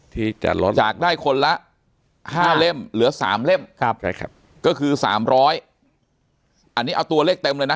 ถ้าจากได้คนละ๕เล่มเหลือ๓เล่มก็คือ๓๐๐อันนี้เอาตัวเลขเต็มเลยนะ